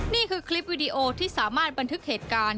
นี่คือคลิปวิดีโอที่สามารถบันทึกเหตุการณ์